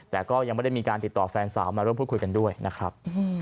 แต่ก็ยังไม่ได้มีการติดต่อแฟนสาวมาร่วมพูดคุยกันด้วยนะครับ